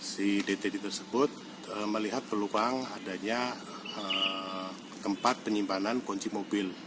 si dtd tersebut melihat peluang adanya tempat penyimpanan kunci mobil